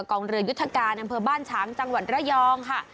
กองเรือยุทธการอำเภอบ้านฉางจังหวัดระยองค่ะ